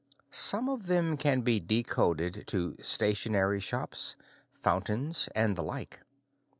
Some of them can be decoded to stationery shops, fountains, and the like.